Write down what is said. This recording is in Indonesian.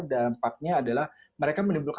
dampaknya adalah mereka menimbulkan